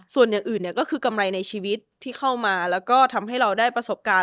ส่วนอย่างอื่นก็คือกำไรในชีวิตที่เข้ามาแล้วก็ทำให้เราได้ประสบการณ์